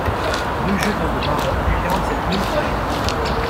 Rue Jegun de Marans, quarante-sept mille Agen